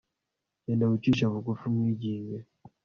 Genda wicishe bugufi umwinginge